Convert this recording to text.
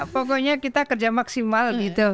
pokoknya kita kerja maksimal gitu